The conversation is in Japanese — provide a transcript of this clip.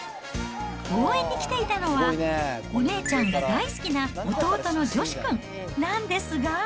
応援に来ていたのは、お姉ちゃんが大好きな弟のジョシュくん、なんですが。